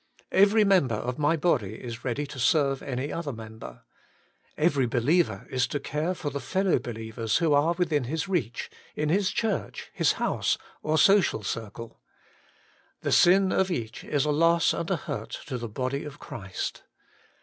Every member of my body is ready to serve any other member. Every believer is to care for the fellow believers who are within his reach, in his church, his house, or social circle. The sin of each is a loss and a hurt to the body of Christ.